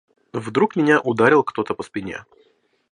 Вдруг меня ударил кто-то по спине.